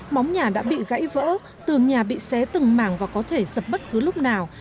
móng nhà đã bị gãy vỡ tường nhà bị xé từng màng và có thể sập bất cứ lúc nào